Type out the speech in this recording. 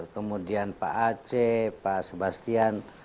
kemudian pak aceh pak sebastian